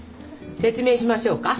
説明しましょうか？